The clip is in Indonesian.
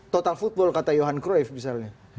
total football kata johan cruyff misalnya